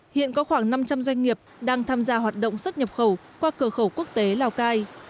hiện có khoảng năm trăm linh doanh nghiệp đang tham gia hoạt động xuất nhập khẩu qua cửa khẩu quốc tế lào cai